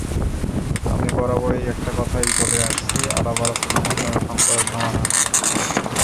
আমি বরাবরই একটা কথাই বলে আসছি, আলাপ-আলোচনার মাধ্যমে সংকটের সমাধান হোক।